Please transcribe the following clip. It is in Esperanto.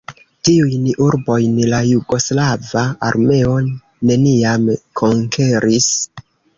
Tiujn urbojn la jugoslava armeo neniam konkeris.